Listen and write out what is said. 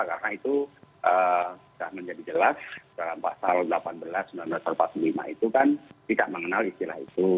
karena itu sudah menjadi jelas dalam pasal delapan belas seribu sembilan ratus empat puluh lima itu kan tidak mengenal istilah itu